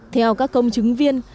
theo các công chứng viên